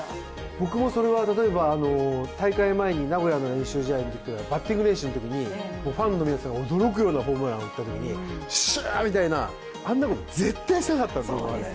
僕もそれは、例えば大会前に名古屋の練習試合のときのバッティング練習のときにファンの皆さんが驚くようなホームランを打ったときによっしゃーみたいな、あんなこと、絶対しなかったんです。